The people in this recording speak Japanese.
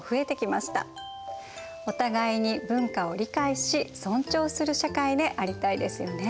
お互いに文化を理解し尊重する社会でありたいですよね。